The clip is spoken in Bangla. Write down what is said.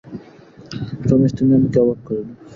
রমেশ, তুমি আমাকে অবাক করিলে।